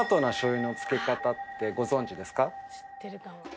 知ってるかも。